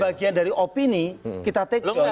bagian dari opini kita take down